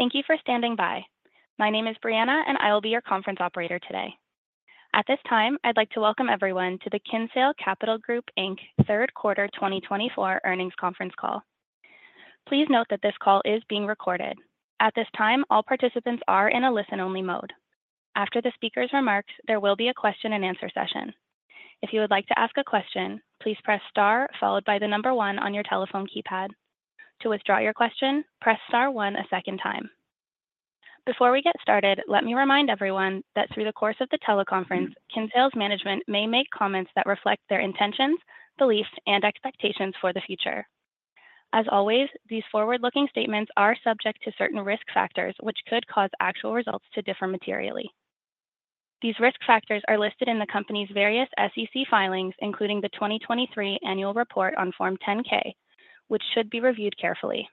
Thank you for standing by. My name is Brianna, and I will be your conference operator today. At this time, I'd like to welcome everyone to the Kinsale Capital Group Inc. Third Quarter 2024 Earnings Conference Call. Please note that this call is being recorded. At this time, all participants are in a listen-only mode. After the speaker's remarks, there will be a question-and-answer session. If you would like to ask a question, please press Star, followed by the number one on your telephone keypad. To withdraw your question, press Star one a second time. Before we get started, let me remind everyone that through the course of the teleconference, Kinsale's management may make comments that reflect their intentions, beliefs, and expectations for the future. As always, these forward-looking statements are subject to certain risk factors, which could cause actual results to differ materially. These risk factors are listed in the company's various SEC filings, including the 2023 Annual Report on Form 10-K, which should be reviewed carefully.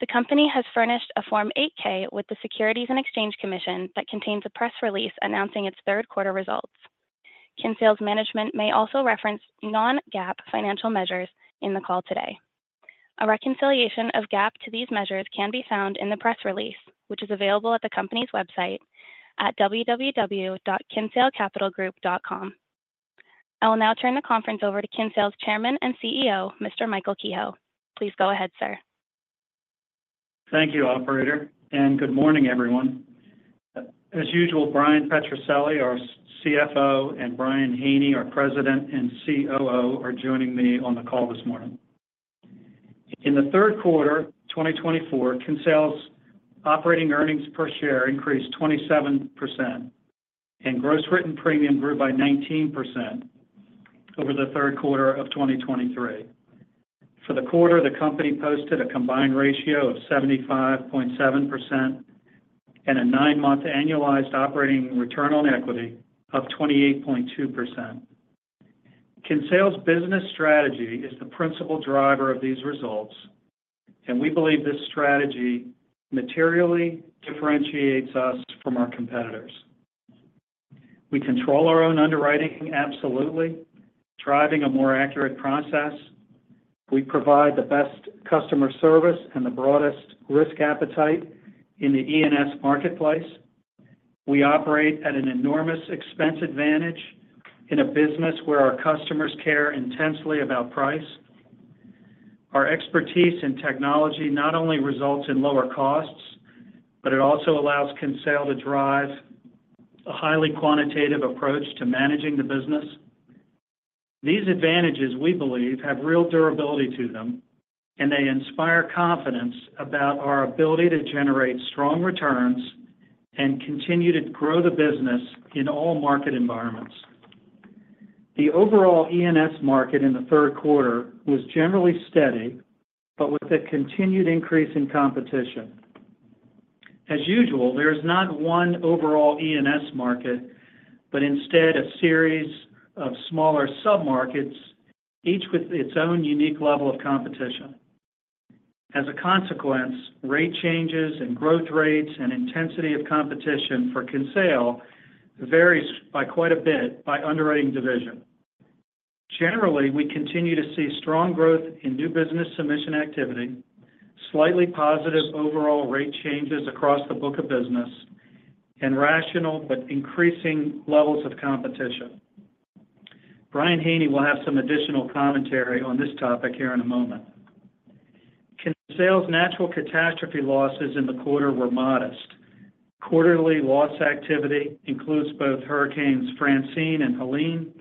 The company has furnished a Form 8-K with the Securities and Exchange Commission that contains a press release announcing its third quarter results. Kinsale's management may also reference non-GAAP financial measures in the call today. A reconciliation of GAAP to these measures can be found in the press release, which is available at the company's website at www.kinsalecapitalgroup.com. I will now turn the conference over to Kinsale's Chairman and CEO, Mr. Michael Kehoe. Please go ahead, sir. Thank you, operator, and good morning, everyone. As usual, Bryan Petrucelli, our CFO, and Brian Haney, our President and COO, are joining me on the call this morning. In the third quarter, 2024, Kinsale's operating earnings per share increased 27%, and gross written premium grew by 19% over the third quarter of 2023. For the quarter, the company posted a combined ratio of 75.7% and a nine-month annualized operating return on equity of 28.2%. Kinsale's business strategy is the principal driver of these results, and we believe this strategy materially differentiates us from our competitors. We control our own underwriting, absolutely, driving a more accurate process. We provide the best customer service and the broadest risk appetite in the E&S marketplace. We operate at an enormous expense advantage in a business where our customers care intensely about price. Our expertise in technology not only results in lower costs, but it also allows Kinsale to drive a highly quantitative approach to managing the business. These advantages, we believe, have real durability to them, and they inspire confidence about our ability to generate strong returns and continue to grow the business in all market environments. The overall E&S market in the third quarter was generally steady, but with a continued increase in competition. As usual, there is not one overall E&S market, but instead a series of smaller sub-markets, each with its own unique level of competition. As a consequence, rate changes and growth rates and intensity of competition for Kinsale varies by quite a bit by underwriting division. Generally, we continue to see strong growth in new business submission activity, slightly positive overall rate changes across the book of business, and rational but increasing levels of competition. Brian Haney will have some additional commentary on this topic here in a moment. Kinsale's natural catastrophe losses in the quarter were modest. Quarterly loss activity includes both Hurricanes Francine and Helene,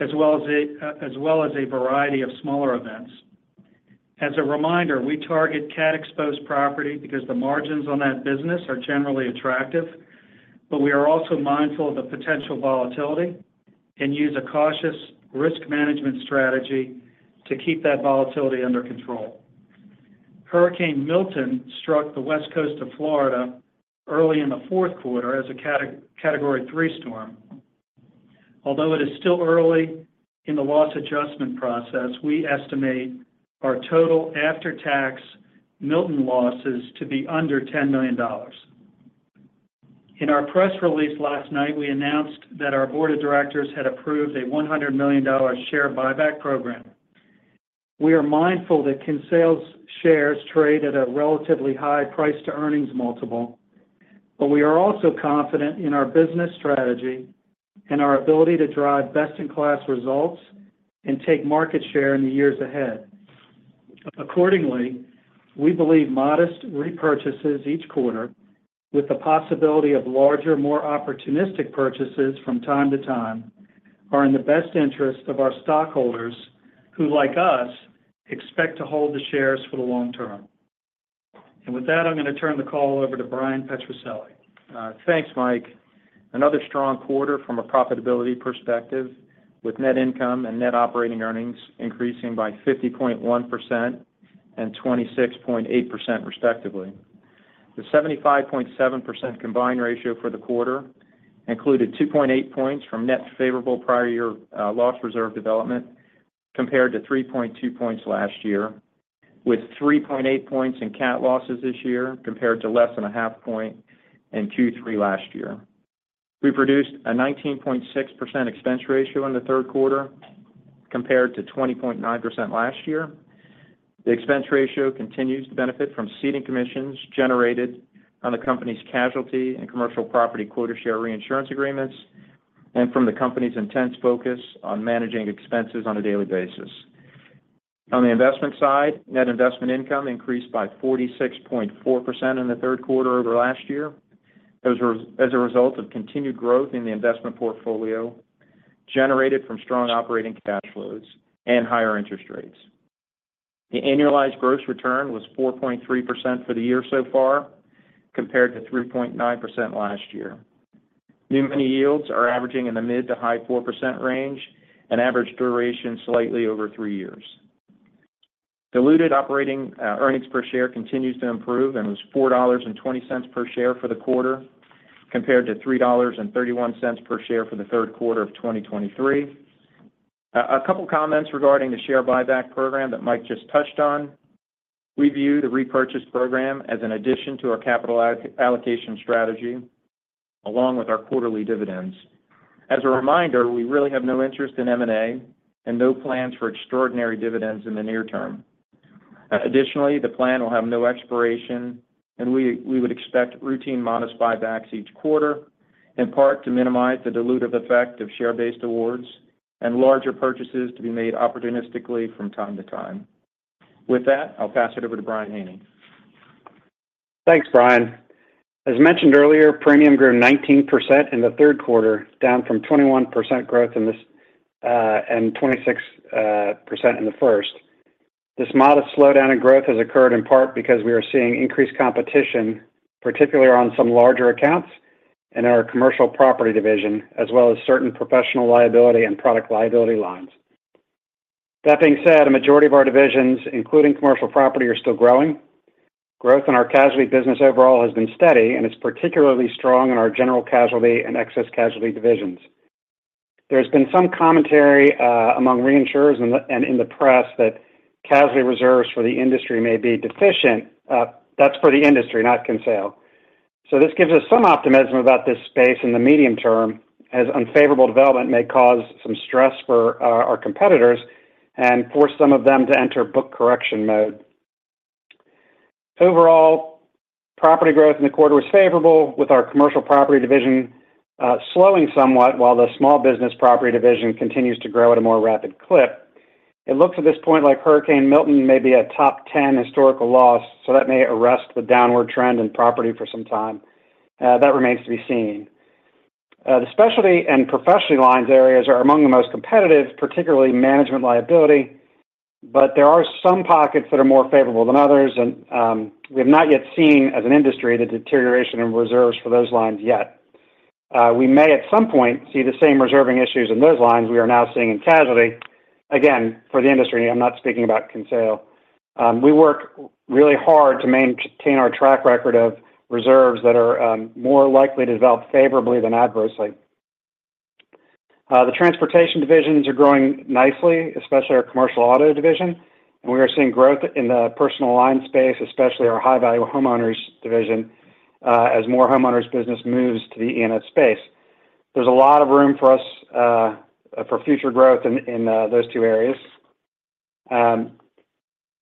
as well as a variety of smaller events. As a reminder, we target cat-exposed property because the margins on that business are generally attractive, but we are also mindful of the potential volatility and use a cautious risk management strategy to keep that volatility under control. Hurricane Milton struck the West Coast of Florida early in the fourth quarter as a Category 3 storm. Although it is still early in the loss adjustment process, we estimate our total after-tax Milton losses to be under $10 million. In our press release last night, we announced that our board of directors had approved a $100 million share buyback program. We are mindful that Kinsale's shares trade at a relatively high price-to-earnings multiple, but we are also confident in our business strategy and our ability to drive best-in-class results and take market share in the years ahead. Accordingly, we believe modest repurchases each quarter, with the possibility of larger, more opportunistic purchases from time to time, are in the best interest of our stockholders, who, like us, expect to hold the shares for the long term, and with that, I'm going to turn the call over to Bryan Petrucelli. Thanks, Mike. Another strong quarter from a profitability perspective, with net income and net operating earnings increasing by 50.1% and 26.8%, respectively. The 75.7% combined ratio for the quarter included 2.8 points from net favorable prior year loss reserve development, compared to 3.2 points last year, with 3.8 points in cat losses this year, compared to less than 0.5 points in 2023 last year.... We produced a 19.6% expense ratio in the third quarter, compared to 20.9% last year. The expense ratio continues to benefit from ceding commissions generated on the company's casualty and commercial property quota share reinsurance agreements, and from the company's intense focus on managing expenses on a daily basis. On the investment side, net investment income increased by 46.4% in the third quarter over last year, as a result of continued growth in the investment portfolio generated from strong operating cash flows and higher interest rates. The annualized gross return was 4.3% for the year so far, compared to 3.9% last year. New money yields are averaging in the mid- to high-4% range and average duration slightly over 3 years. Diluted operating earnings per share continues to improve and was $4.20 per share for the quarter, compared to $3.31 per share for the third quarter of 2023. A couple of comments regarding the share buyback program that Mike just touched on. We view the repurchase program as an addition to our capital allocation strategy, along with our quarterly dividends. As a reminder, we really have no interest in M&A and no plans for extraordinary dividends in the near term. Additionally, the plan will have no expiration, and we would expect routine modest buybacks each quarter, in part to minimize the dilutive effect of share-based awards and larger purchases to be made opportunistically from time to time. With that, I'll pass it over to Brian Haney. Thanks, Bryan. As mentioned earlier, premium grew 19% in the third quarter, down from 21% growth in the second quarter and 26% in the first quarter. This modest slowdown in growth has occurred in part because we are seeing increased competition, particularly on some larger accounts in our commercial property division, as well as certain professional liability and product liability lines. That being said, a majority of our divisions, including commercial property, are still growing. Growth in our casualty business overall has been steady, and it's particularly strong in our general casualty and excess casualty divisions. There's been some commentary among reinsurers and in the press that casualty reserves for the industry may be deficient. That's for the industry, not Kinsale. So this gives us some optimism about this space in the medium term, as unfavorable development may cause some stress for our competitors and force some of them to enter book correction mode. Overall, property growth in the quarter was favorable, with our commercial property division slowing somewhat, while the small business property division continues to grow at a more rapid clip. It looks at this point like Hurricane Milton may be a top ten historical loss, so that may arrest the downward trend in property for some time. That remains to be seen. The specialty and professional lines areas are among the most competitive, particularly management liability, but there are some pockets that are more favorable than others, and we have not yet seen as an industry the deterioration in reserves for those lines yet. We may, at some point, see the same reserving issues in those lines we are now seeing in casualty. Again, for the industry, I'm not speaking about Kinsale. We work really hard to maintain our track record of reserves that are more likely to develop favorably than adversely. The transportation divisions are growing nicely, especially our commercial auto division, and we are seeing growth in the personal lines space, especially our high-value homeowners division, as more homeowners' business moves to the E&S space. There's a lot of room for us for future growth in those two areas.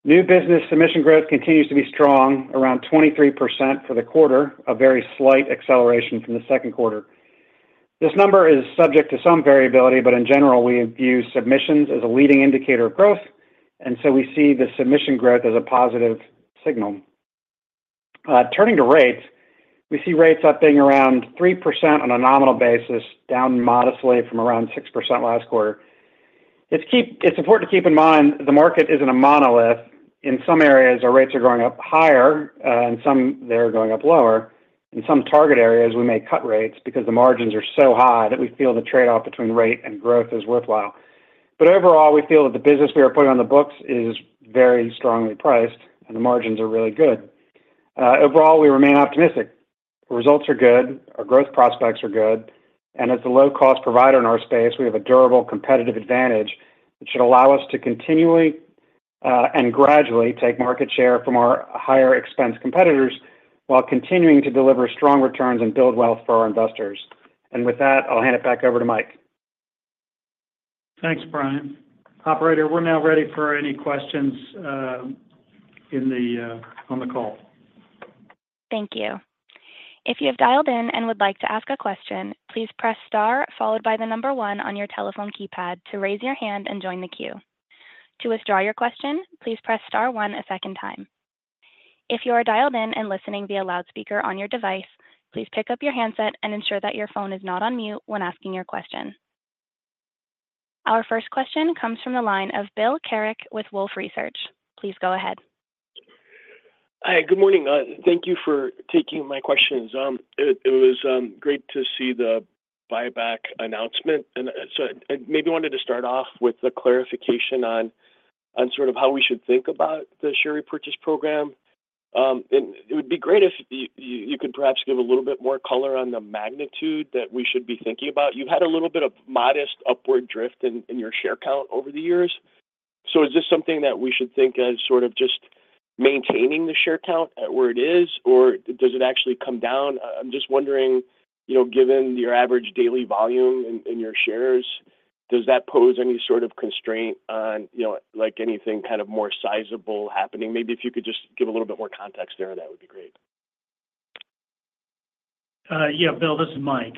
New business submission growth continues to be strong, around 23% for the quarter, a very slight acceleration from the second quarter. This number is subject to some variability, but in general, we view submissions as a leading indicator of growth, and so we see the submission growth as a positive signal. Turning to rates, we see rates up being around 3% on a nominal basis, down modestly from around 6% last quarter. It's important to keep in mind, the market isn't a monolith. In some areas, our rates are going up higher, in some they're going up lower. In some target areas, we may cut rates because the margins are so high that we feel the trade-off between rate and growth is worthwhile. But overall, we feel that the business we are putting on the books is very strongly priced and the margins are really good. Overall, we remain optimistic. Results are good, our growth prospects are good, and as a low-cost provider in our space, we have a durable, competitive advantage that should allow us to continually and gradually take market share from our higher expense competitors while continuing to deliver strong returns and build wealth for our investors. And with that, I'll hand it back over to Mike. Thanks, Brian. Operator, we're now ready for any questions on the call. Thank you. If you have dialed in and would like to ask a question, please press star followed by the number one on your telephone keypad to raise your hand and join the queue. To withdraw your question, please press star one a second time. If you are dialed in and listening via loudspeaker on your device, please pick up your handset and ensure that your phone is not on mute when asking your question. Our first question comes from the line of Bill Carcache with Wolfe Research. Please go ahead. Hi, good morning. Thank you for taking my questions. It was great to see the buyback announcement, and so I maybe wanted to start off with the clarification on sort of how we should think about the share purchase program. And it would be great if you could perhaps give a little bit more color on the magnitude that we should be thinking about. You've had a little bit of modest upward drift in your share count over the years. So is this something that we should think as sort of just maintaining the share count at where it is, or does it actually come down? I'm just wondering, you know, given your average daily volume in your shares, does that pose any sort of constraint on, you know, like anything kind of more sizable happening? Maybe if you could just give a little bit more context there, that would be great. Yeah, Bill, this is Mike.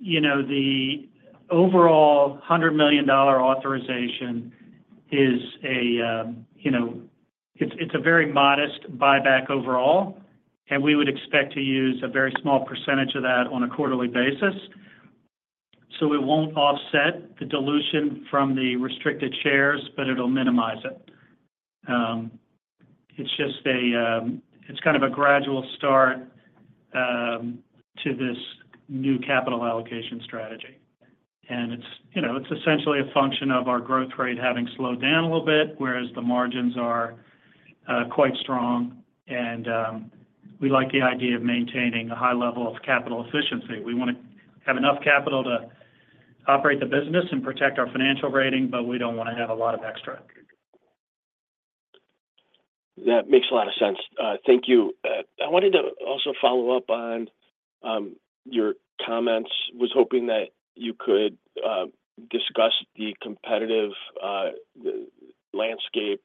You know, the overall $100 million authorization is, you know, it's a very modest buyback overall, and we would expect to use a very small percentage of that on a quarterly basis. So we won't offset the dilution from the restricted shares, but it'll minimize it. It's just a gradual start to this new capital allocation strategy, and it's, you know, it's essentially a function of our growth rate having slowed down a little bit, whereas the margins are quite strong, and we like the idea of maintaining a high level of capital efficiency. We want to have enough capital to operate the business and protect our financial rating, but we don't want to have a lot of extra. That makes a lot of sense. Thank you. I wanted to also follow up on your comments. Was hoping that you could discuss the competitive landscape,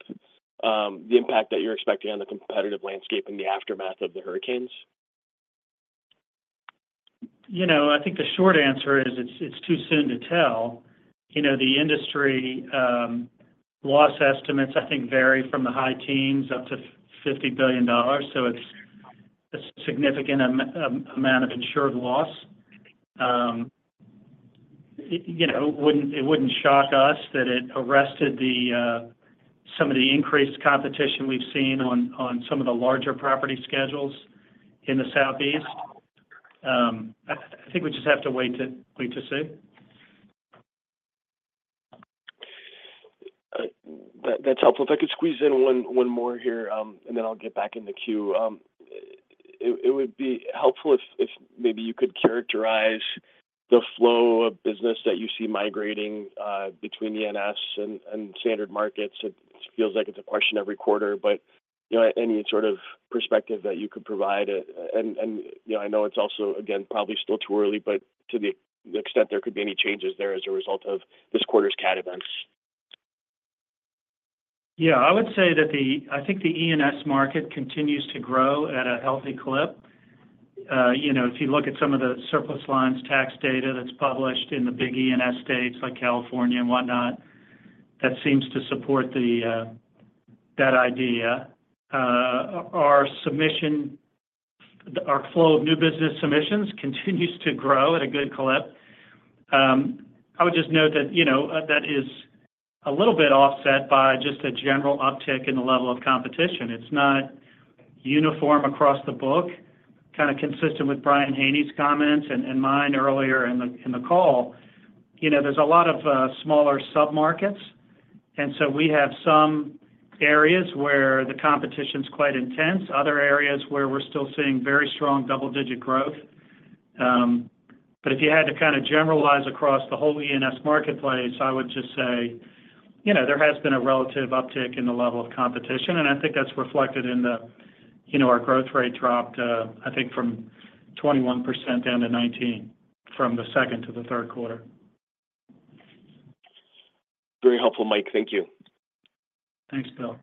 the impact that you're expecting on the competitive landscape in the aftermath of the hurricanes. You know, I think the short answer is, it's too soon to tell. You know, the industry loss estimates, I think, vary from the high teens up to $50 billion, so it's a significant amount of insured loss. You know, it wouldn't shock us that it arrested some of the increased competition we've seen on some of the larger property schedules in the Southeast. I think we just have to wait to see. That, that's helpful. If I could squeeze in one more here, and then I'll get back in the queue. It would be helpful if maybe you could characterize the flow of business that you see migrating between the E&S and standard markets. It feels like it's a question every quarter, but, you know, any sort of perspective that you could provide, and you know, I know it's also, again, probably still too early, but to the extent there could be any changes there as a result of this quarter's cat events. Yeah, I would say that the... I think the E&S market continues to grow at a healthy clip. You know, if you look at some of the surplus lines tax data that's published in the big E&S states like California and whatnot, that seems to support that idea. Our submission, our flow of new business submissions continues to grow at a good clip. I would just note that, you know, that is a little bit offset by just a general uptick in the level of competition. It's not uniform across the book, kind of consistent with Brian Haney's comments and mine earlier in the call. You know, there's a lot of smaller submarkets, and so we have some areas where the competition's quite intense, other areas where we're still seeing very strong double-digit growth. But if you had to kind of generalize across the whole E&S marketplace, I would just say, you know, there has been a relative uptick in the level of competition, and I think that's reflected in the, you know, our growth rate dropped, I think from 21% down to 19%, from the second to the third quarter. Very helpful, Mike. Thank you. Thanks, Bill.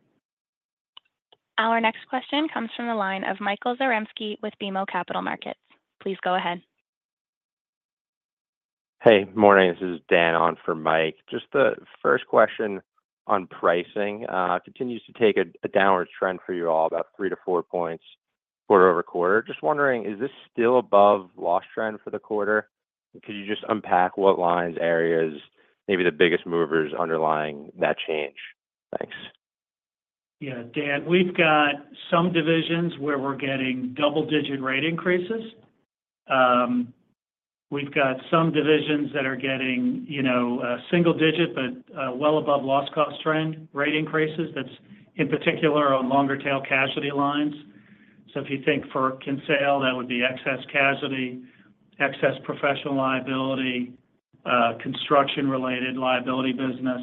Our next question comes from the line of Michael Zaremski with BMO Capital Markets. Please go ahead. Hey, morning. This is Dan on for Mike. Just the first question on pricing continues to take a downward trend for you all, about three to four points quarter over quarter. Just wondering, is this still above loss trend for the quarter? Could you just unpack what lines, areas, maybe the biggest movers underlying that change? Thanks. Yeah, Dan, we've got some divisions where we're getting double-digit rate increases. We've got some divisions that are getting, you know, single-digit, but, well above loss cost trend rate increases. That's in particular on longer tail casualty lines. So if you think for example, that would be excess casualty, excess professional liability, construction-related liability business.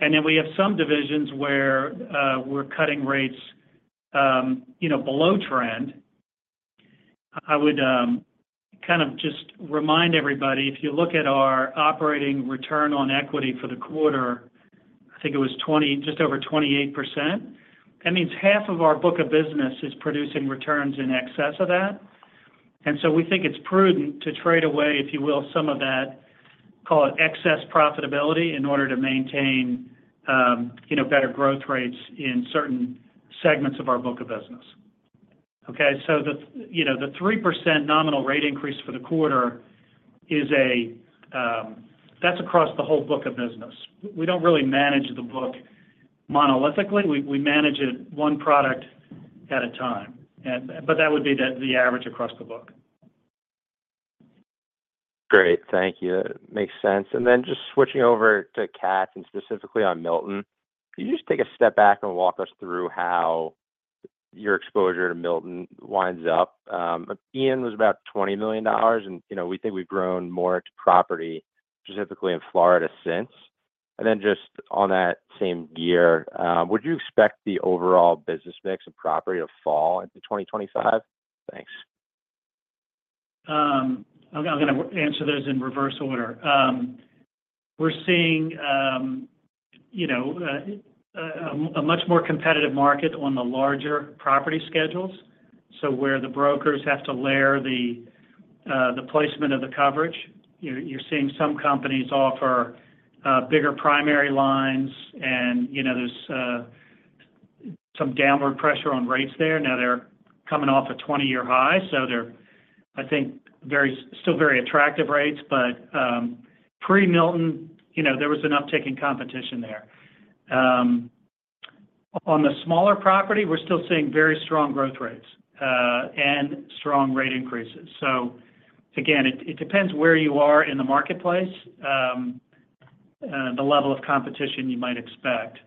And then we have some divisions where, we're cutting rates, you know, below trend. I would, kind of just remind everybody, if you look at our operating return on equity for the quarter, I think it was 20... just over 28%. That means half of our book of business is producing returns in excess of that. And so we think it's prudent to trade away, if you will, some of that, call it excess profitability, in order to maintain, you know, better growth rates in certain segments of our book of business. Okay, so the, you know, the 3% nominal rate increase for the quarter is a, that's across the whole book of business. We don't really manage the book monolithically. We manage it one product at a time. And, but that would be the average across the book. Great, thank you. That makes sense. And then just switching over to cat, and specifically on Milton, can you just take a step back and walk us through how your exposure to Milton winds up. Ian was about $20 million, and, you know, we think we've grown more into property, specifically in Florida since. And then just on that same gear, would you expect the overall business mix of property to fall into 2025? Thanks. I'm gonna answer those in reverse order. We're seeing, you know, a much more competitive market on the larger property schedules, so where the brokers have to layer the placement of the coverage. You're seeing some companies offer bigger primary lines and, you know, there's some downward pressure on rates there. Now, they're coming off a twenty-year high, so they're, I think, very, still very attractive rates. But, pre-Milton, you know, there was an uptick in competition there. On the smaller property, we're still seeing very strong growth rates and strong rate increases. So again, it depends where you are in the marketplace, the level of competition you might expect.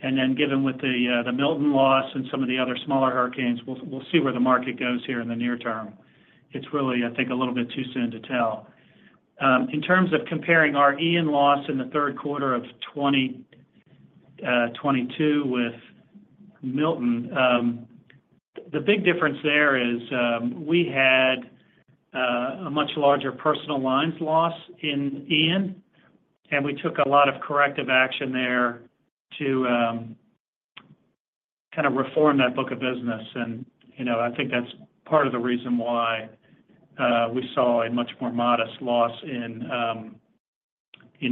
And then, given the Milton loss and some of the other smaller hurricanes, we'll see where the market goes here in the near term. It's really, I think, a little bit too soon to tell. In terms of comparing our Ian loss in the third quarter of 2022 with Milton, the big difference there is we had a much larger personal lines loss in Ian, and we took a lot of corrective action there to kind of reform that book of business. And, you know, I think that's part of the reason why we saw a much more modest loss in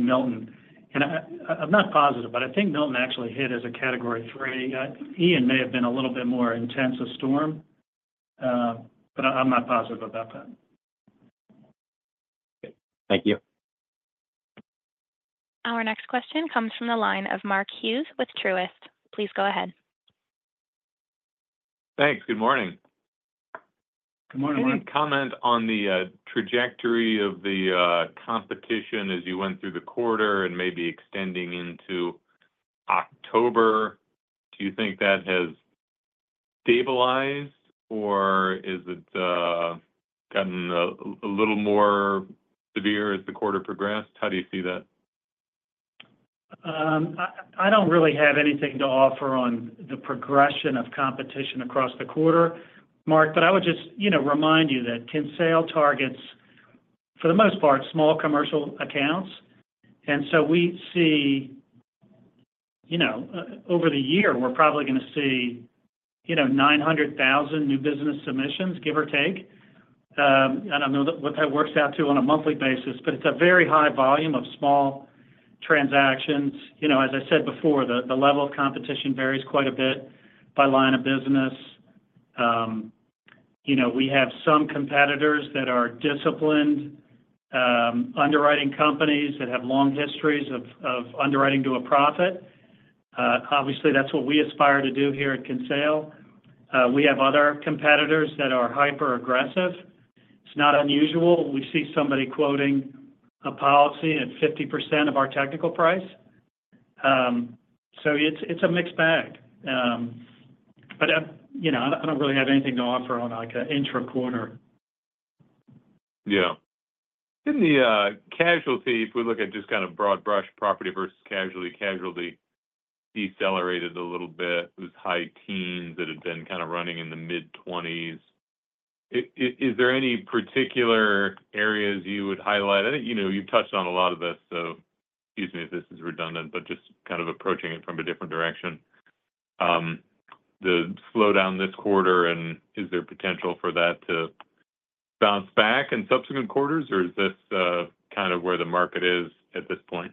Milton. And I'm not positive, but I think Milton actually hit as a Category 3. Ian may have been a little bit more intense a storm, but I'm not positive about that. Okay. Thank you. Our next question comes from the line of Mark Hughes with Truist. Please go ahead. Thanks. Good morning. Good morning, Mark. Any comment on the trajectory of the competition as you went through the quarter and maybe extending into October? Do you think that has stabilized, or is it gotten a little more severe as the quarter progressed? How do you see that? I don't really have anything to offer on the progression of competition across the quarter, Mark, but I would just, you know, remind you that Kinsale targets, for the most part, small commercial accounts, and so we see. You know, over the year, we're probably gonna see, you know, nine hundred thousand new business submissions, give or take. I don't know what that works out to on a monthly basis, but it's a very high volume of small transactions. You know, as I said before, the level of competition varies quite a bit by line of business. You know, we have some competitors that are disciplined underwriting companies that have long histories of underwriting to a profit. Obviously, that's what we aspire to do here at Kinsale. We have other competitors that are hyper aggressive. It's not unusual. We see somebody quoting a policy at 50% of our technical price. So it's a mixed bag. But you know, I don't really have anything to offer on, like, an intra quarter. Yeah. In the casualty, if we look at just kind of broad brush, property versus casualty, casualty decelerated a little bit. It was high teens that had been kind of running in the mid-twenties. Is there any particular areas you would highlight? I think, you know, you've touched on a lot of this, so excuse me if this is redundant, but just kind of approaching it from a different direction. The slowdown this quarter, and is there potential for that to bounce back in subsequent quarters, or is this kind of where the market is at this point?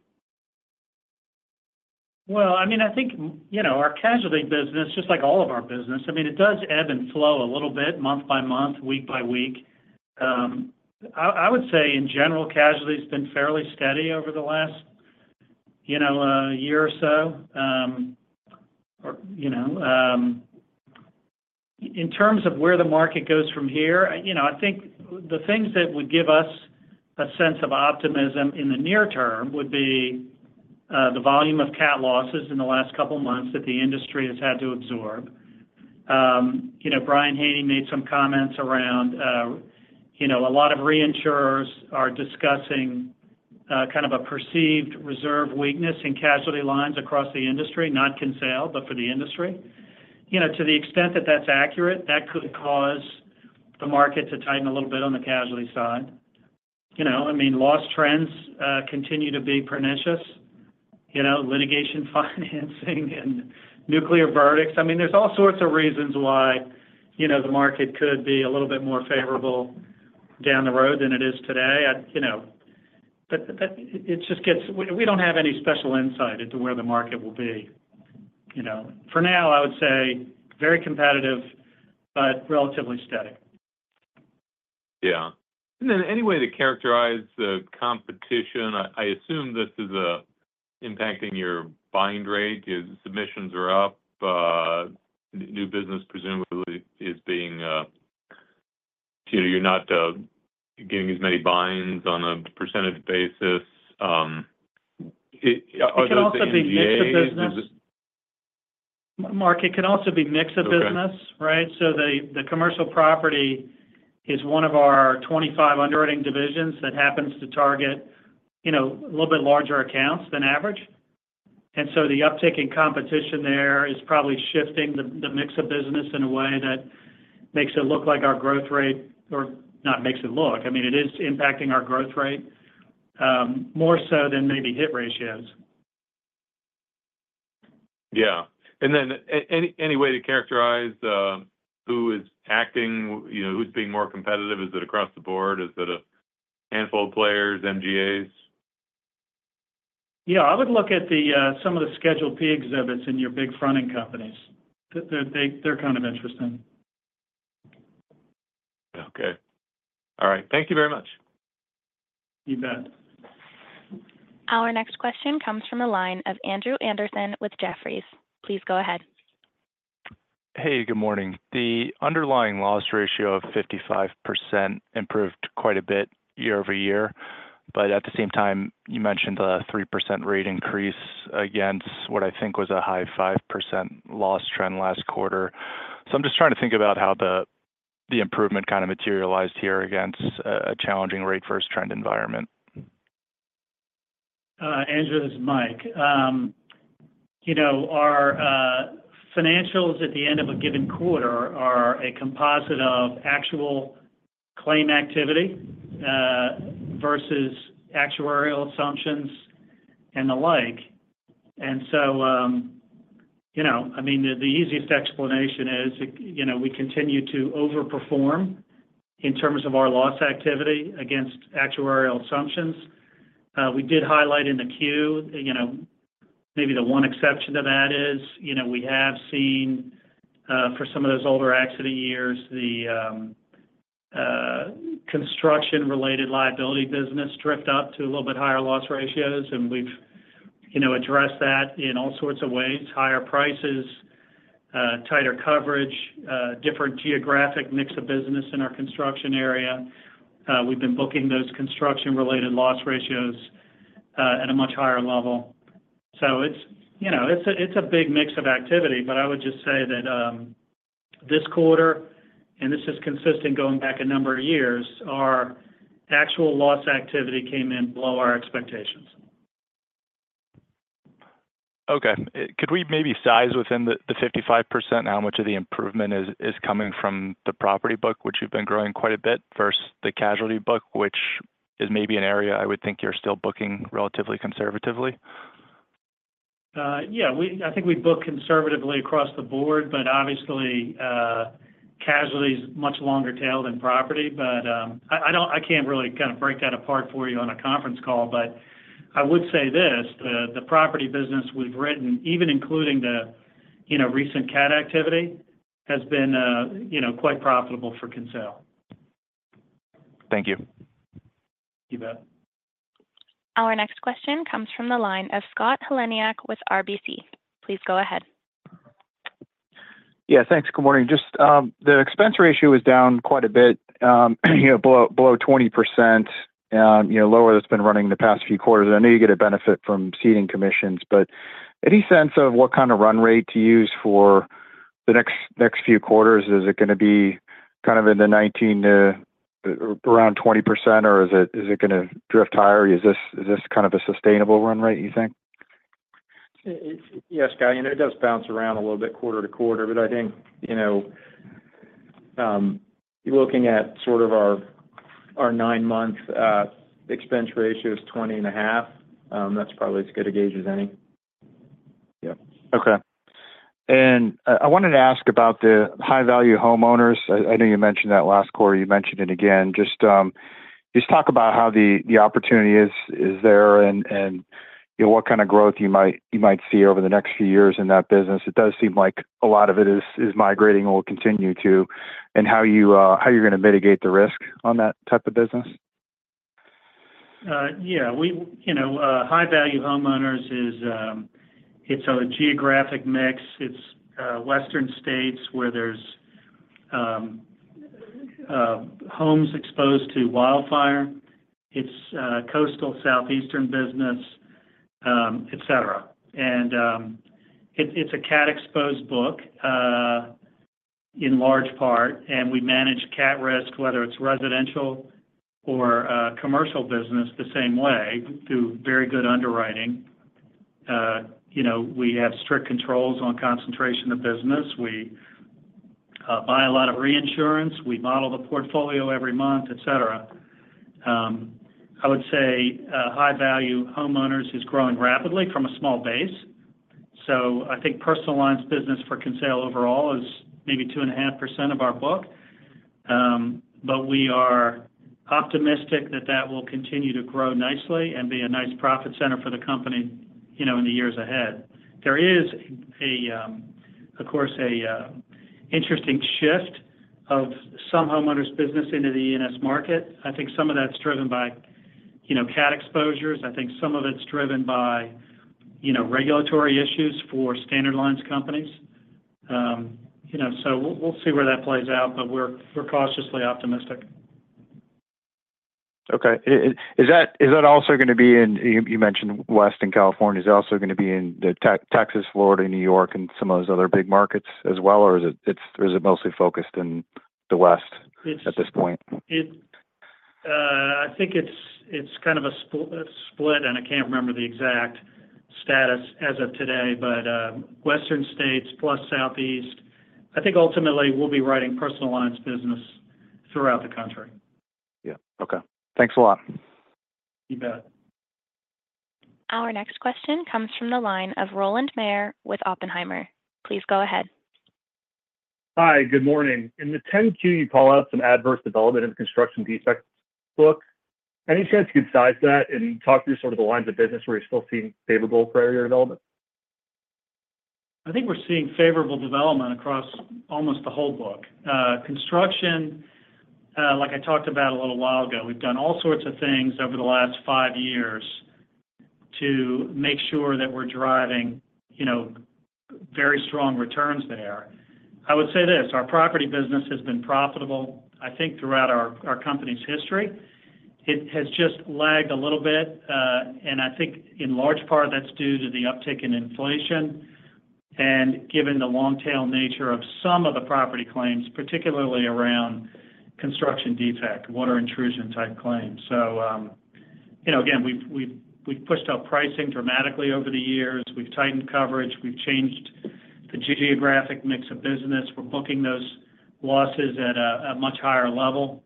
I mean, I think, you know, our casualty business, just like all of our business, I mean, it does ebb and flow a little bit, month by month, week by week. I would say, in general, casualty's been fairly steady over the last, you know, year or so. You know, in terms of where the market goes from here, you know, I think the things that would give us a sense of optimism in the near term would be the volume of cat losses in the last couple of months that the industry has had to absorb. You know, Brian Haney made some comments around, you know, a lot of reinsurers are discussing kind of a perceived reserve weakness in casualty lines across the industry, not Kinsale, but for the industry. You know, to the extent that that's accurate, that could cause the market to tighten a little bit on the casualty side. You know, I mean, loss trends continue to be pernicious. You know, litigation financing, and nuclear verdicts. I mean, there's all sorts of reasons why, you know, the market could be a little bit more favorable down the road than it is today. You know, but it just gets-- We don't have any special insight into where the market will be, you know. For now, I would say very competitive, but relatively steady. Yeah. And then any way to characterize the competition? I assume this is impacting your bind rate. Submissions are up, new business presumably is being,... So you're not getting as many binds on a percentage basis. Are those the MGAs? It can also be a mix of business. Mark, it can also be a mix of business. Okay. Right? So the commercial property is one of our twenty-five underwriting divisions that happens to target, you know, a little bit larger accounts than average. And so the uptick in competition there is probably shifting the mix of business in a way that makes it look like our growth rate or not makes it look, I mean, it is impacting our growth rate more so than maybe hit ratios. Yeah. And then any way to characterize who is acting, you know, who's being more competitive? Is it across the board? Is it a handful of players, MGAs? Yeah, I would look at some of the Schedule P exhibits in your big fronting companies. They're kind of interesting. Okay. All right. Thank you very much. You bet. Our next question comes from the line of Andrew Andersen with Jefferies. Please go ahead. Hey, good morning. The underlying loss ratio of 55% improved quite a bit year over year, but at the same time, you mentioned the 3% rate increase against what I think was a high 5% loss trend last quarter. So I'm just trying to think about how the improvement kind of materialized here against a challenging rate versus trend environment. Andrew, this is Mike. You know, our financials at the end of a given quarter are a composite of actual claim activity versus actuarial assumptions and the like. And so, you know, I mean, the easiest explanation is, you know, we continue to overperform in terms of our loss activity against actuarial assumptions. We did highlight in the Q, you know, maybe the one exception to that is, you know, we have seen for some of those older accident years, the construction-related liability business drift up to a little bit higher loss ratios, and we've, you know, addressed that in all sorts of ways, higher prices, tighter coverage, different geographic mix of business in our construction area. We've been booking those construction-related loss ratios at a much higher level. So it's, you know, it's a big mix of activity, but I would just say that this quarter, and this is consistent going back a number of years, our actual loss activity came in below our expectations. Okay. Could we maybe size within the 55%, how much of the improvement is coming from the property book, which you've been growing quite a bit versus the casualty book, which is maybe an area I would think you're still booking relatively conservatively? Yeah, we book conservatively across the board, but obviously, casualty is much longer tail than property. But, I don't really kind of break that apart for you on a conference call, but I would say this: the property business we've written, even including the, you know, recent cat activity, has been, you know, quite profitable for Kinsale. Thank you. You bet. Our next question comes from the line of Scott Heleniak with RBC. Please go ahead. Yeah, thanks. Good morning. Just, the expense ratio is down quite a bit, you know, below 20%, you know, lower that's been running the past few quarters. I know you get a benefit from ceding commissions, but any sense of what kind of run rate to use for the next few quarters? Is it gonna be kind of in the 19% to around 20%, or is it gonna drift higher? Is this kind of a sustainable run rate, you think? Yes, Scott, you know, it does bounce around a little bit quarter-to-quarter, but I think, you know, you're looking at sort of our nine-month expense ratio is 20.5%. That's probably as good a gauge as any. Yeah. Okay. And I wanted to ask about the high-value homeowners. I know you mentioned that last quarter, you mentioned it again. Just talk about how the opportunity is there and, you know, what kind of growth you might see over the next few years in that business. It does seem like a lot of it is migrating or will continue to, and how you're gonna mitigate the risk on that type of business. Yeah, we... You know, high-value homeowners is, it's a geographic mix. It's western states where there's homes exposed to wildfire, it's coastal southeastern business, et cetera. And it's a cat-exposed book in large part, and we manage cat risk, whether it's residential or commercial business, the same way, through very good underwriting. You know, we have strict controls on concentration of business. We buy a lot of reinsurance. We model the portfolio every month, et cetera. I would say high-value homeowners is growing rapidly from a small base. So I think personal lines business for Kinsale overall is maybe 2.5% of our book. But we are optimistic that that will continue to grow nicely and be a nice profit center for the company, you know, in the years ahead. There is, of course, an interesting shift of some homeowners business into the E&S market. I think some of that's driven by, you know, cat exposures. I think some of it's driven by, you know, regulatory issues for standard lines companies. You know, so we'll see where that plays out, but we're cautiously optimistic. Okay. Is that also gonna be in? You mentioned Western California. Is it also gonna be in the Texas, Florida, New York, and some of those other big markets as well, or is it mostly focused in the West at this point? I think it's kind of a split, and I can't remember the exact status as of today, but Western states plus Southeast, I think ultimately we'll be writing personal lines business throughout the country. Yeah. Okay. Thanks a lot. You bet. Our next question comes from the line of Rowland Mayor with Oppenheimer. Please go ahead. Hi, good morning. In the 10-Q, you call out some adverse development in the construction defect book. Any chance you can size that and talk through sort of the lines of business where you're still seeing favorable prior year development? I think we're seeing favorable development across almost the whole book. Construction, like I talked about a little while ago, we've done all sorts of things over the last five years to make sure that we're driving, you know, very strong returns there. I would say this, our property business has been profitable, I think, throughout our company's history. It has just lagged a little bit, and I think in large part, that's due to the uptick in inflation and given the long-tail nature of some of the property claims, particularly around construction defect, water intrusion-type claims. So, you know, again, we've pushed out pricing dramatically over the years. We've tightened coverage. We've changed the geographic mix of business. We're booking those losses at a much higher level.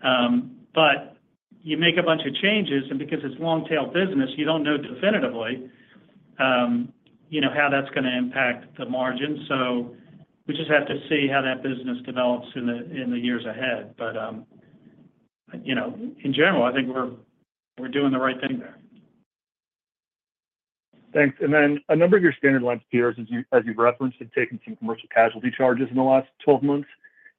But you make a bunch of changes, and because it's long-tail business, you don't know definitively, you know, how that's gonna impact the margin. So we just have to see how that business develops in the years ahead. But, you know, in general, I think we're doing the right thing there. Thanks. And then a number of your standard line peers, as you, as you've referenced, have taken some commercial casualty charges in the last twelve months.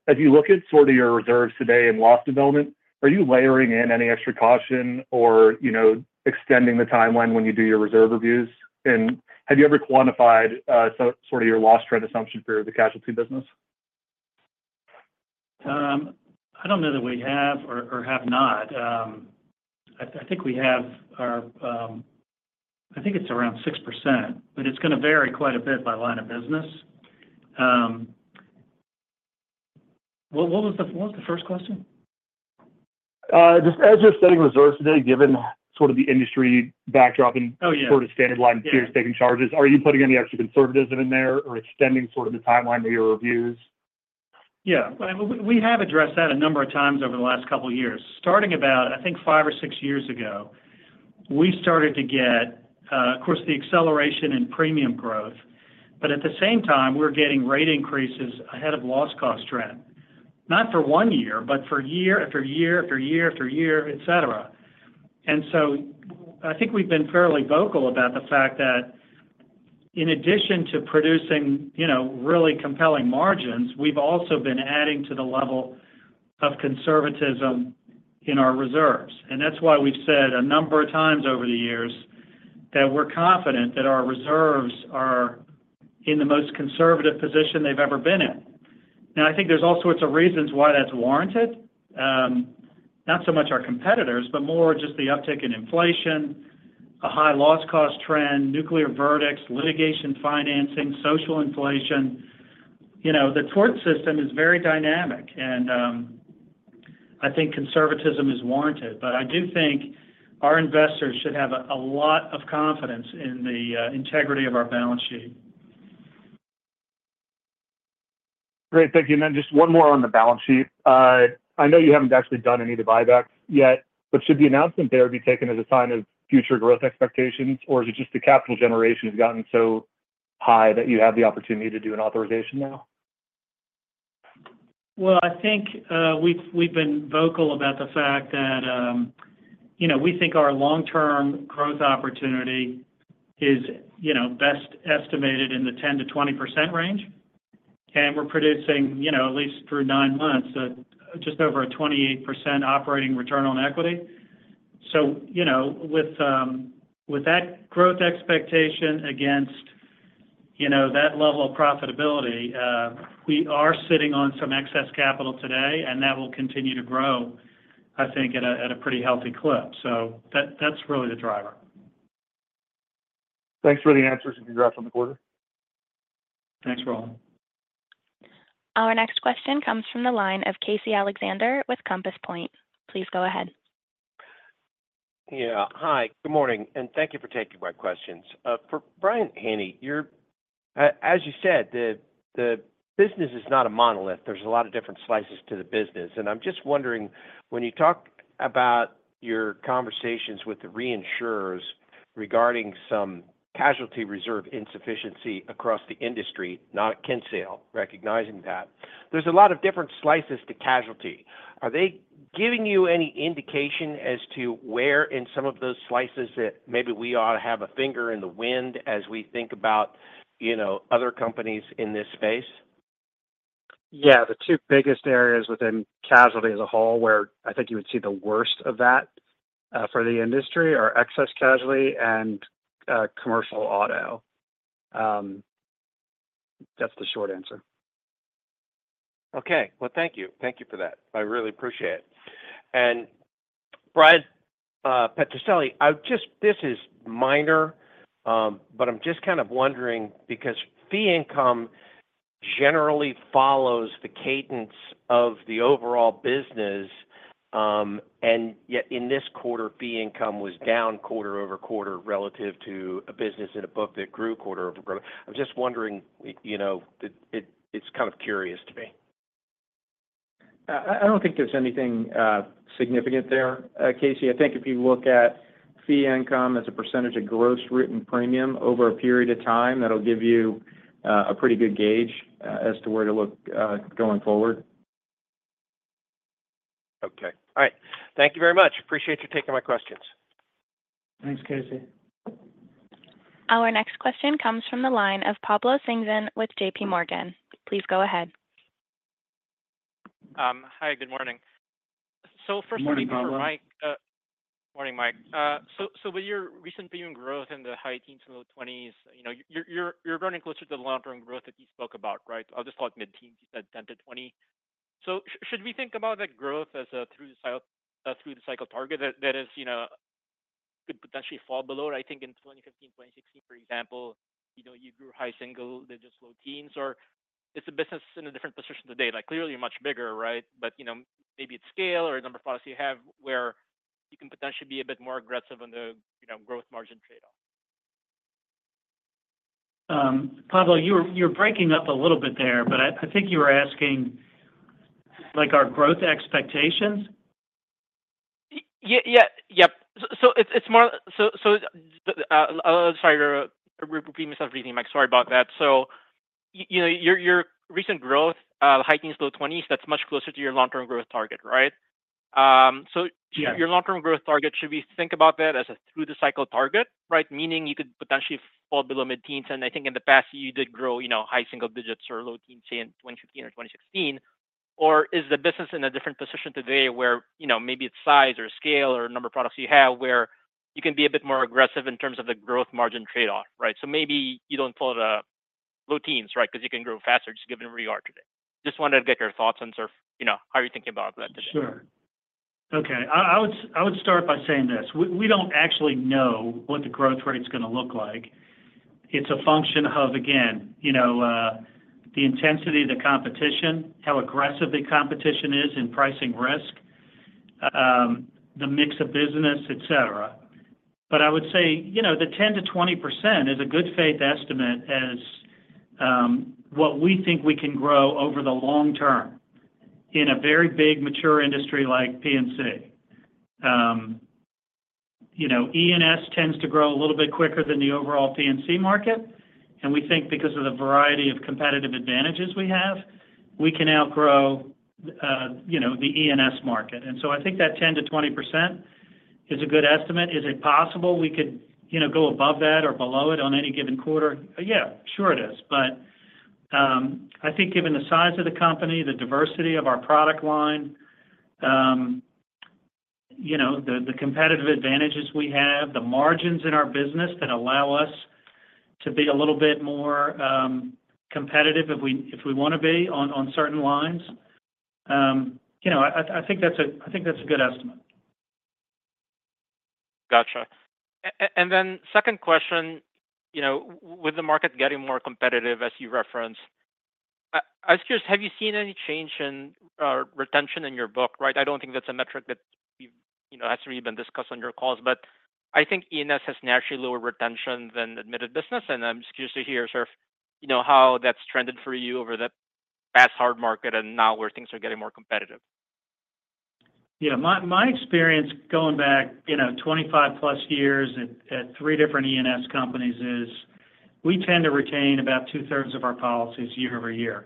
As you look at sort of your reserves today and loss development, are you layering in any extra caution or, you know, extending the timeline when you do your reserve reviews? And have you ever quantified, sort of your loss trend assumption for the casualty business? I don't know that we have or have not. I think we have our. I think it's around 6%, but it's gonna vary quite a bit by line of business. What was the first question? Just as you're setting reserves today, given sort of the industry backdrop and- Oh, yeah... sort of standard line peers taking charges, are you putting any extra conservatism in there or extending sort of the timeline of your reviews? Yeah. Well, we have addressed that a number of times over the last couple of years. Starting about, I think, five or six years ago, we started to get, of course, the acceleration in premium growth, but at the same time, we're getting rate increases ahead of loss cost trend, not for one year, but for year after year after year after year, et cetera. And so I think we've been fairly vocal about the fact that in addition to producing, you know, really compelling margins, we've also been adding to the level of conservatism in our reserves. And that's why we've said a number of times over the years that we're confident that our reserves are in the most conservative position they've ever been in. Now, I think there's all sorts of reasons why that's warranted. Not so much our competitors, but more just the uptick in inflation, a high loss cost trend, nuclear verdicts, litigation financing, social inflation. You know, the tort system is very dynamic, and I think conservatism is warranted, but I do think our investors should have a lot of confidence in the integrity of our balance sheet. Great. Thank you. And then just one more on the balance sheet. I know you haven't actually done any buybacks yet, but should the announcement there be taken as a sign of future growth expectations, or is it just the capital generation has gotten so high that you have the opportunity to do an authorization now? I think we've been vocal about the fact that, you know, we think our long-term growth opportunity is, you know, best estimated in the 10%-20% range, and we're producing, you know, at least for nine months, just over 28% operating return on equity. So, you know, with that growth expectation against, you know, that level of profitability, we are sitting on some excess capital today, and that will continue to grow, I think, at a pretty healthy clip. So that, that's really the driver. Thanks for the answers, and congrats on the quarter. Thanks, Roland. Our next question comes from the line of Casey Alexander with Compass Point. Please go ahead. Yeah. Hi, good morning, and thank you for taking my questions. For Brian Haney, you're, as you said, the business is not a monolith. There's a lot of different slices to the business, and I'm just wondering, when you talk about your conversations with the reinsurers regarding some casualty reserve insufficiency across the industry, not Kinsale, recognizing that. There's a lot of different slices to casualty. Are they giving you any indication as to where in some of those slices that maybe we ought to have a finger in the wind as we think about, you know, other companies in this space?... Yeah, the two biggest areas within casualty as a whole, where I think you would see the worst of that, for the industry, are excess casualty and, commercial auto. That's the short answer. Okay. Well, thank you. Thank you for that. I really appreciate it. And Bryan Petrucelli, I've just—this is minor, but I'm just kind of wondering, because fee income generally follows the cadence of the overall business, and yet in this quarter, fee income was down quarter over quarter relative to a business in a book that grew quarter-over-quarter. I'm just wondering, you know, it's kind of curious to me. I don't think there's anything significant there, Casey. I think if you look at fee income as a percentage of gross written premium over a period of time, that'll give you a pretty good gauge as to where to look going forward. Okay. All right. Thank you very much. Appreciate you taking my questions. Thanks, Casey. Our next question comes from the line of Pablo Singzon with J.P. Morgan. Please go ahead. Hi, good morning. Good morning, Pablo. Morning, Mike. So with your recent premium growth in the high teens to low twenties, you know, you're running closer to the long-term growth that you spoke about, right? I'll just talk mid-teens, you said 10 to 20. So should we think about that growth as a through the cycle target that is, you know, could potentially fall below it? I think in twenty fifteen, twenty sixteen, for example, you know, you grew high single digits, low teens, or is the business in a different position today? Like, clearly you're much bigger, right? But, you know, maybe it's scale or the number of products you have, where you can potentially be a bit more aggressive on the, you know, growth margin trade-off. Pablo, you're breaking up a little bit there, but I think you were asking, like, our growth expectations? Yeah. Yep. So it's more... So, sorry to repeat myself again, Mike. Sorry about that. So, you know, your recent growth, the high teens, low twenties, that's much closer to your long-term growth target, right? So- Yes. Your long-term growth target, should we think about that as a through the cycle target, right? Meaning you could potentially fall below mid-teens, and I think in the past you did grow, you know, high single digits or low teens, say, in twenty fifteen or twenty sixteen. Or is the business in a different position today where, you know, maybe it's size or scale or number of products you have, where you can be a bit more aggressive in terms of the growth margin trade-off, right? So maybe you don't follow the low teens, right, because you can grow faster just given where you are today. Just wanted to get your thoughts on sort of, you know, how are you thinking about that today? Sure. Okay, I would start by saying this: We don't actually know what the growth rate is gonna look like. It's a function of, again, you know, the intensity of the competition, how aggressive the competition is in pricing risk, the mix of business, et cetera. But I would say, you know, the 10%-20% is a good faith estimate as what we think we can grow over the long term in a very big, mature industry like P&C. You know, E&S tends to grow a little bit quicker than the overall P&C market, and we think because of the variety of competitive advantages we have, we can outgrow, you know, the E&S market. And so I think that 10%-20% is a good estimate. Is it possible we could, you know, go above that or below it on any given quarter? Yeah, sure it is. But, I think given the size of the company, the diversity of our product line, you know, the competitive advantages we have, the margins in our business that allow us to be a little bit more competitive if we want to be on certain lines, you know, I think that's a good estimate. Gotcha. And then second question, you know, with the market getting more competitive, as you referenced, I was curious, have you seen any change in retention in your book, right? I don't think that's a metric that you've, you know, has even been discussed on your calls, but I think E&S has naturally lower retention than admitted business. And I'm just curious to hear sort of, you know, how that's trended for you over the past hard market and now where things are getting more competitive. Yeah, my experience going back, you know, 25+ years at three different E&S companies is we tend to retain about 2/3 of our policies year-over-year.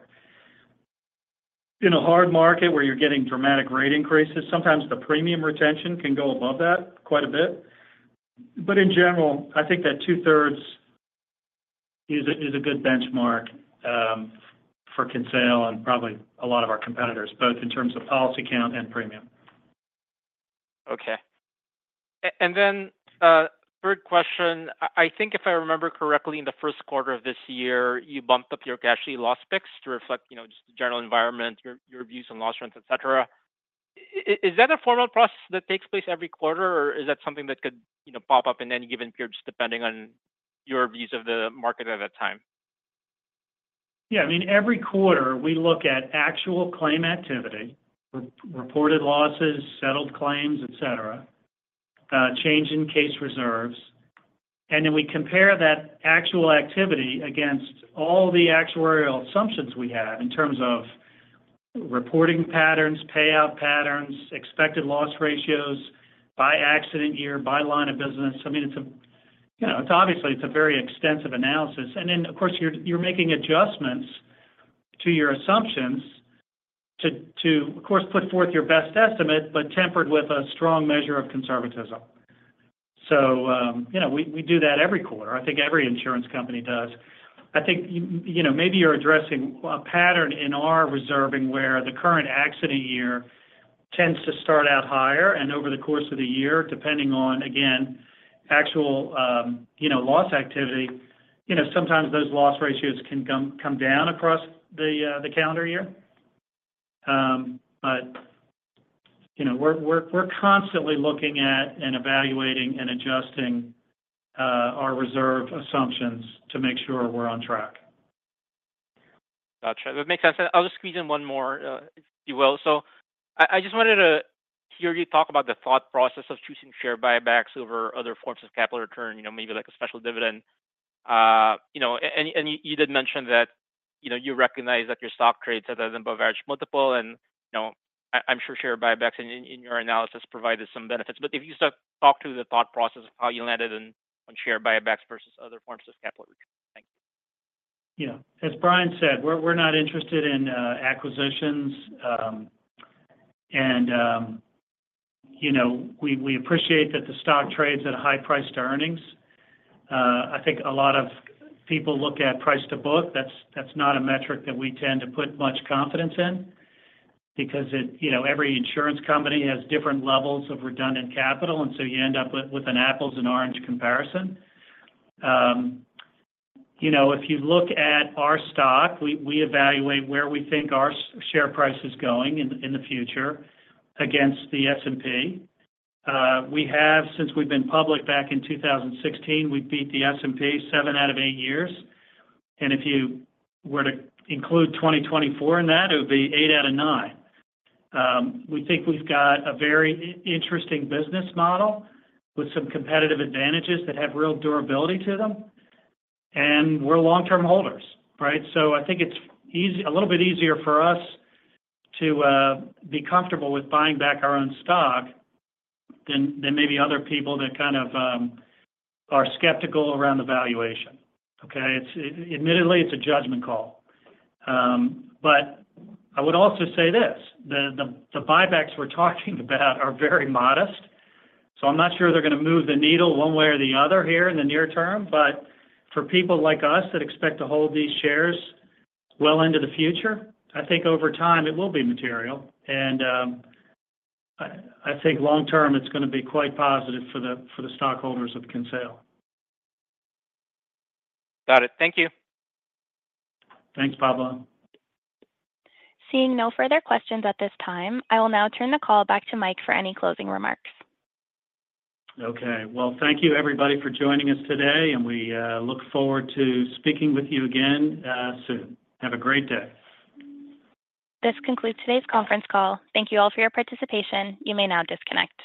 In a hard market where you're getting dramatic rate increases, sometimes the premium retention can go above that quite a bit. But in general, I think that 2/3 is a good benchmark for Kinsale and probably a lot of our competitors, both in terms of policy count and premium. Okay. And then, third question: I think if I remember correctly, in the first quarter of this year, you bumped up your casualty loss picks to reflect, you know, just the general environment, your views on loss trends, et cetera. Is that a formal process that takes place every quarter, or is that something that could, you know, pop up in any given period, just depending on your views of the market at that time? Yeah, I mean, every quarter we look at actual claim activity, re-reported losses, settled claims, et cetera, change in case reserves, and then we compare that actual activity against all the actuarial assumptions we have in terms of reporting patterns, payout patterns, expected loss ratios by accident year, by line of business. I mean, it's a... You know, it's obviously, it's a very extensive analysis. And then, of course, you're making adjustments to your assumptions to, of course, put forth your best estimate, but tempered with a strong measure of conservatism.... So, you know, we do that every quarter. I think every insurance company does. I think, you know, maybe you're addressing a pattern in our reserving, where the current accident year tends to start out higher, and over the course of the year, depending on, again, actual, you know, loss activity, you know, sometimes those loss ratios can come down across the calendar year, but, you know, we're constantly looking at and evaluating and adjusting our reserve assumptions to make sure we're on track. Gotcha. That makes sense. I'll just squeeze in one more, if you will. So I just wanted to hear you talk about the thought process of choosing share buybacks over other forms of capital return, you know, maybe like a special dividend. You know, and you did mention that, you know, you recognize that your stock trades at an above average multiple, and you know, I'm sure share buybacks in your analysis provided some benefits. But if you just talk through the thought process of how you landed on share buybacks versus other forms of capital return. Thank you. Yeah. As Brian said, we're not interested in acquisitions. And you know, we appreciate that the stock trades at a high price to earnings. I think a lot of people look at price to book. That's not a metric that we tend to put much confidence in, because it... You know, every insurance company has different levels of redundant capital, and so you end up with an apples and oranges comparison. You know, if you look at our stock, we evaluate where we think our share price is going in the future against the S&P. We have, since we've been public back in 2016, we've beat the S&P seven out of eight years, and if you were to include 2024 in that, it would be eight out of nine. We think we've got a very interesting business model with some competitive advantages that have real durability to them, and we're long-term holders, right? So I think it's a little bit easier for us to be comfortable with buying back our own stock than maybe other people that kind of are skeptical around the valuation, okay? It's, admittedly, it's a judgment call. But I would also say this: the buybacks we're talking about are very modest, so I'm not sure they're gonna move the needle one way or the other here in the near term. But for people like us that expect to hold these shares well into the future, I think over time it will be material. And I think long term, it's gonna be quite positive for the stockholders of Kinsale. Got it. Thank you. Thanks, Pablo. Seeing no further questions at this time, I will now turn the call back to Mike for any closing remarks. Okay, well, thank you everybody for joining us today, and we look forward to speaking with you again soon. Have a great day. This concludes today's conference call. Thank you all for your participation. You may now disconnect.